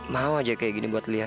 mau aja kayak gini buat lihat